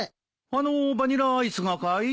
あのバニラアイスがかい？